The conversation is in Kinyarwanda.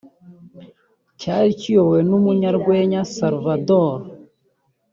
cyari kiyobowe n’umunyarwenya Salvador